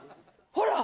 ほら！